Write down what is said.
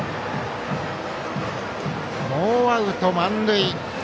ノーアウト満塁。